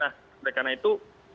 oleh karena itu